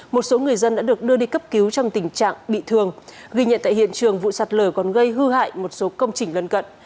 một số người dân đã được đưa đi cấp cứu trong tình trạng bị thương ghi nhận tại hiện trường vụ sạt lở còn gây hư hại một số công trình lân cận